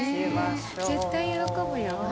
絶対喜ぶよ。